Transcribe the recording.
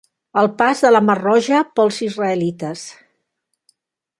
El pas de la mar Roja pels israelites.